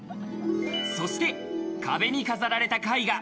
そして壁に飾られた絵画。